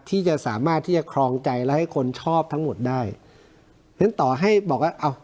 ที่จะสามารถที่จะครองใจและให้คนชอบทั้งหมดได้ต่อให้บอกว่าเอ้า